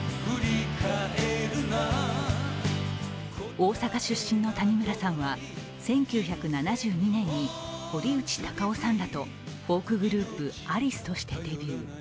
大阪出身の谷村さんは、１９７２年に堀内孝雄さんらとフォークグループ、アリスとしてデビュー。